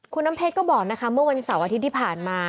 คุณน้ำเพชรก็บอกนะคะเมื่อวันเสาร์อาทิตย์ที่ผ่านมา